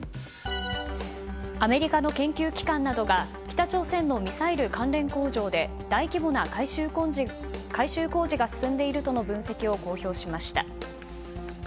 アメリカの研究機関などが北朝鮮のミサイル関連工場で大規模な改修工事が進んでいるとの分析を公表しました。